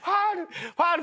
ファウル！